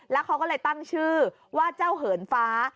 แล้วเขาก็เลยตั้งชื่อว่าเจ้าเหินฟ้า